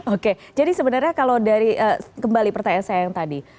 oke jadi sebenarnya kalau dari kembali pertanyaan saya yang tadi